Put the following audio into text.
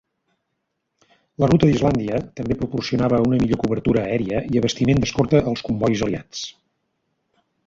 La ruta d'Islàndia també proporcionava una millor cobertura aèria i abastiment d'escorta als combois aliats.